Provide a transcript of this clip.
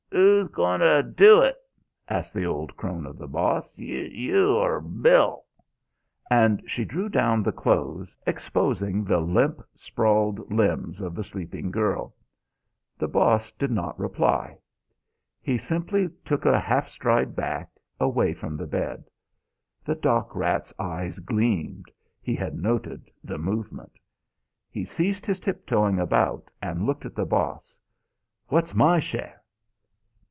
"Oo's goin' t'do it?" asked the old crone of the Boss. "You or Bill?" and she drew down the clothes, exposing the limp sprawled limbs of the sleeping girl. The Boss did not reply. He simply took a half stride back, away from the bed. The dock rat's eyes gleamed: he had noted the movement. He ceased his tip toeing about and looked at the Boss. "What's my share?"